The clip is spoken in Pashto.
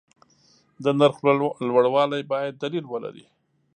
د نرخ لوړوالی باید دلیل ولري.